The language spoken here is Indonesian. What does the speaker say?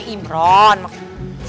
kok mahanya bisa sama gitu ya